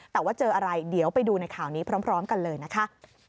แต่ว่าเจออะไรเดี๋ยวไปดูในข่าวนี้พร้อมกันเลยนะคะ